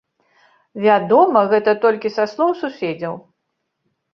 Вядома гэта толькі са слоў суседзяў.